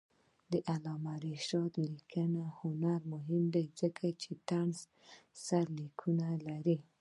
د علامه رشاد لیکنی هنر مهم دی ځکه چې طنزي سرلیکونه لري.